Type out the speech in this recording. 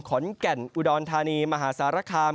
ขอนแก่นอุดรธานีมหาสารคาม